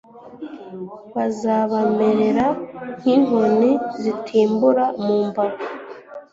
bazabamerera nk inkoni zitimbura mu mbavu